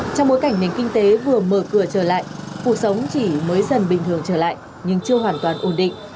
trong bối cảnh nền kinh tế vừa mở cửa trở lại cuộc sống chỉ mới dần bình thường trở lại nhưng chưa hoàn toàn ổn định